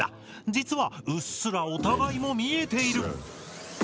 実はうっすらお互いも見えている。